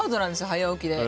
早起きで。